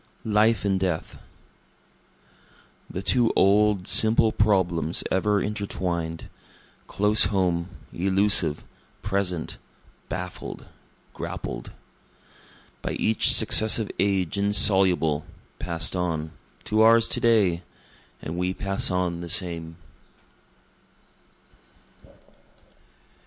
Life and Death The two old, simple problems ever intertwined, Close home, elusive, present, baffled, grappled. By each successive age insoluble, pass'd on, To ours to day and we pass on the same.